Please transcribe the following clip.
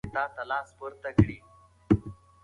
د زده کړې په بهیر کې د ښوونکي او شاګرد اړیکه ډېره مهمه ده.